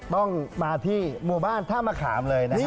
ต้องมาที่หมู่บ้านท่ามะขามเลยนะฮะ